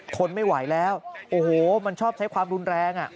ทนไม่ไหวแล้วโอ้โหมันชอบใช้ความรุนแรง